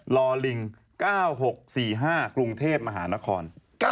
ลอลิง๙๖๔๕กรุงเทพมหานคร